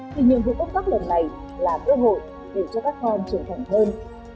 thì nhiệm vụ cấp cấp lần này là cơ hội để cho các con trưởng thành hơn